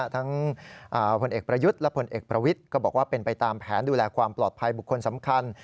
ทั้งพลเอกประยุทธ์และผลเอกประวิทย์ก็บอกว่าเป็นไปตามแผนดูแลความปลอดภัยบุคคลสำคัญ